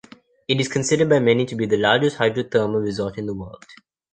It is considered by many to be the largest hydro-thermal resort in the world.